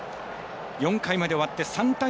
４回まで終わって３対０。